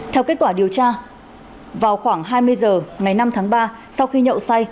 theo kết quả điều tra vào khoảng hai mươi h ngày năm tháng ba sau khi nhậu say